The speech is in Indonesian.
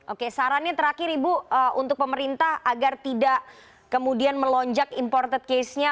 oke sarannya terakhir ibu untuk pemerintah agar tidak kemudian melonjak imported case nya